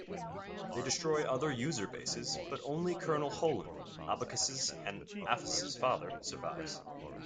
They destroy other User bases, but only Colonel Holon, Abakas' and Aphos' father, survives.